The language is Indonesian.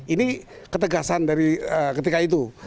ini ketegasan dari ketika itu